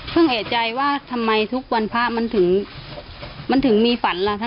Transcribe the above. เพิ่งแอดใจว่าทำไมทุกวันภาพมันถึงมีฝันล่ะ